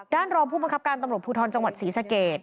รองผู้บังคับการตำรวจภูทรจังหวัดศรีสเกต